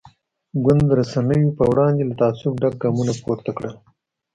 ګوند د رسنیو پر وړاندې له تعصب ډک ګامونه پورته کړل.